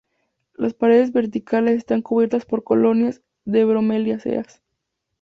Las paredes verticales están cubiertas por colonias de bromeliáceas.